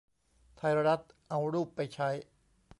ไทยรัฐ เอารูปไปใช้